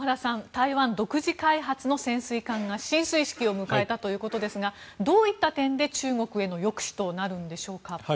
台湾独自開発の潜水艦が進水式を迎えたということですがどういった点で中国への抑止となるんでしょうか。